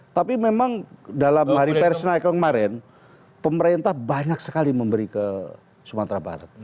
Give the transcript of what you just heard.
tapi memang dalam hari pers naik kemarin pemerintah banyak sekali memberi ke sumatera barat